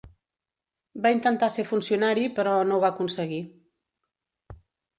Va intentar ser funcionari però no ho va aconseguir.